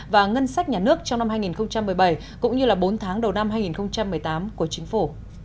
và ngân sách nhà nước trong năm hai nghìn một mươi bảy cũng như bốn tháng đầu năm hai nghìn một mươi tám của chính phủ